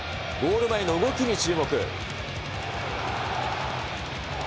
ゴール前の動きに注目。